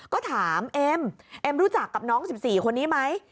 ก็ถามเอ็มเอ็มรู้จักกับน้อง๑๔คนนี้ไหม